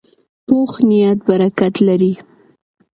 پوخ نیت برکت لري